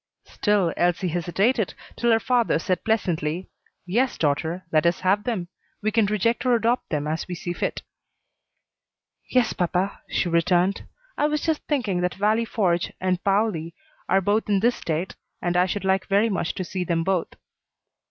Still Elsie hesitated till her father said pleasantly, "Yes, daughter, let us have them. We can reject or adopt them as we see fit." "Yes, papa," she returned. "I was just thinking that Valley Forge and Paoli are both in this State, and I should like very much to see them both."